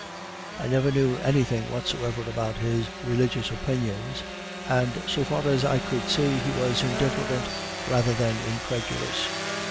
I never knew anything whatsoever about his religious opinions, and so far as I could see, he was indifferent rather than incredulous.